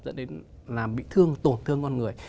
dẫn đến làm bị thương tổn thương con người